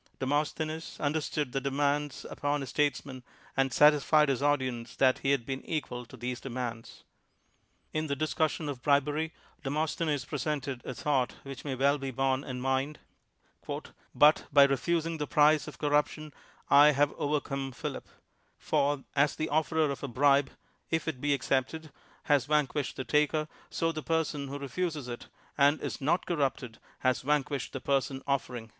Demosthenes understood the demands upon a statesman and satisfied his audience that he had been equal to these demands. In the discussion of bribery Demosthenes pre sented a thought which may well be borne in mind: ''But by refusing the price of cor ruption I have overcome Philip ; for as the offerer of a bribe, if it be accepted, has van quished the taker, so thy person who refuses it and is not corrupted, has vanquished the person offering."